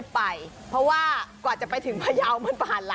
เพราะว่ากว่าจะไปถึงพายาวป่านไก่นะ